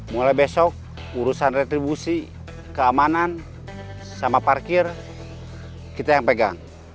mulai besok urusan retribusi keamanan sama parkir kita yang pegang